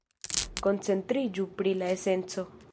Koncentriĝu pri la esenco.